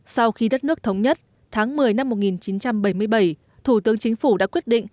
sau khi đất nước thống nhất tháng một mươi năm một nghìn chín trăm bảy mươi bảy thủ tướng chính phủ đã quyết định